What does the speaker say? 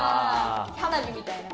花火みたいな感じ。